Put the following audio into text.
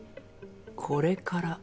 これから？